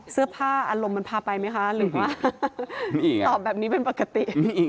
เสื้อผ้าอารมณ์มันพาไปไหมคะหรือว่าตอบแบบนี้เป็นปกติ